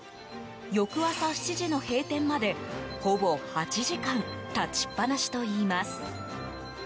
翌朝７時の閉店まで、ほぼ８時間立ちっぱなしといいます。